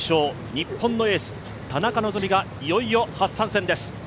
日本のエース・田中希実がいよいよ初参戦です。